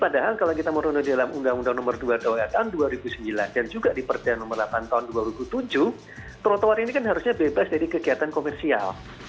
padahal kalau kita menurut dalam undang undang nomor dua tahun dua ribu sembilan dan juga di perda nomor delapan tahun dua ribu tujuh trotoar ini kan harusnya bebas dari kegiatan komersial